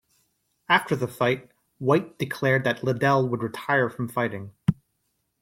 After the fight, White declared that Liddell would retire from fighting.